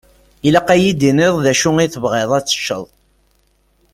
Ilaq ad yi-d-tiniḍ d acu i tebɣiḍ ad teččeḍ.